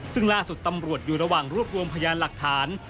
ซึ่งล่าสุดตำรวจอยู่ระหว่างรวบรวมพยานหลักฐาน